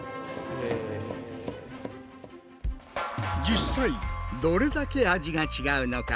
実際どれだけ味が違うのか？